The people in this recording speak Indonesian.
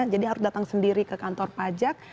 jadi harus datang sendiri ke kantor pajak